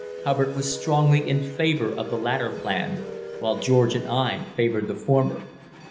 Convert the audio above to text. Hubbard was strongly in favour of the latter plan, while George and I favoured the former.